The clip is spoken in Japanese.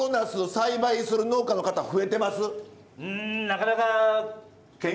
栽培する農家の方増えてます？